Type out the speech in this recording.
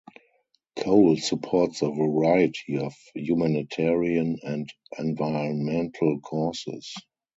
Cole supports a variety of humanitarian and environmental causes.